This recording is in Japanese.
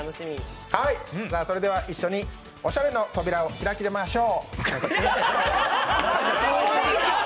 それでは一緒におしゃれの扉を開きましょう。